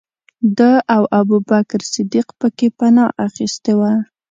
ده او ابوبکر صدیق پکې پنا اخستې وه.